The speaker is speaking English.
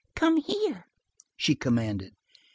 "Come here!" she commanded.